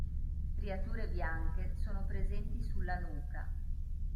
Striature bianche sono presenti sulla nuca.